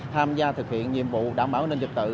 tham gia thực hiện nhiệm vụ đảm bảo an ninh dịch tự